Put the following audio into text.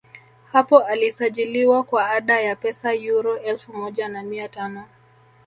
hapo alisajiliwa kwa ada ya pesa yuro elfu moja na mia tano